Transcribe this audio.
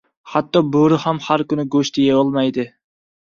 • Hatto bo‘ri ham har kuni go‘sht yeyolmaydi.